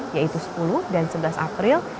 yaitu sepuluh dan sebelas april